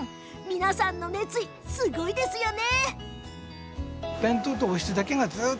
皆さんの熱意、すごいですよね。